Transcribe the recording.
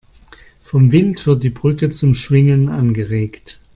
Vom Wind wird die Brücke zum Schwingen angeregt.